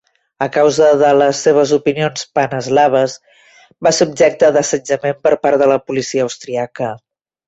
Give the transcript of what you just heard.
A causa de les seves opinions pan-eslaves, va ser objecte d'assetjament per part de la policia austríaca.